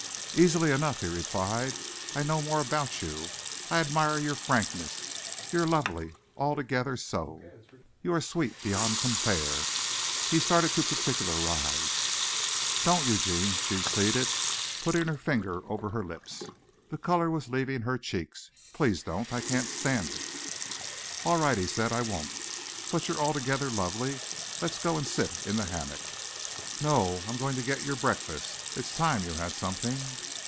"Easily enough," he replied. "I know more about you. I admire your frankness. You're lovely altogether so. You are sweet beyond compare." He started to particularize. "Don't, Eugene," she pleaded, putting her finger over her lips. The color was leaving her cheeks. "Please don't, I can't stand it." "All right," he said, "I won't. But you're altogether lovely. Let's go and sit in the hammock." "No. I'm going to get you your breakfast. It's time you had something."